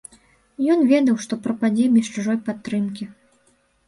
Ён ведаў, што прападзе без чужой падтрымкі.